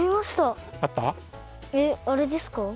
えっあれですか？